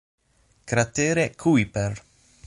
Cratere Kuiper